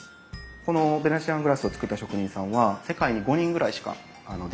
このベネチアングラスを作った職人さんは世界に５人ぐらいしかできないといわれている